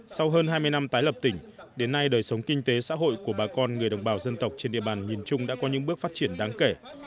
sau hơn hai mươi năm tái lập tỉnh đến nay đời sống kinh tế xã hội của bà con người đồng bào dân tộc trên địa bàn nhìn chung đã có những bước phát triển đáng kể